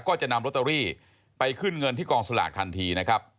ก็จะนำโรตเตอรี่ไปขึ้นเงินที่กองสลากทันทีนะครับ